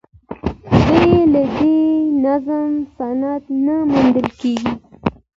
بې له دې نظم، اسناد نه موندل کېږي.